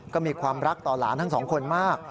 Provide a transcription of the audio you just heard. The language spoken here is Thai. ก็มีความรักต่อหลานทั้งสองคนมาก